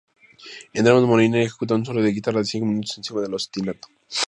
Entre ambas Molinari ejecuta un solo de guitarra de cinco minutos, encima del ostinato.